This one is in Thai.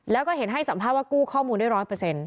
แล้วก็เห็นให้สัมภาษณ์ว่ากู้ข้อมูลได้๑๐๐